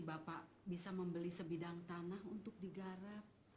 bapak bisa membeli sebidang tanah untuk digarap